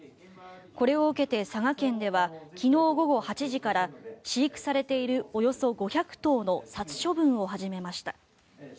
これを受けて佐賀県では昨日午後８時から飼育されているおよそ５００頭の殺処分を始めました。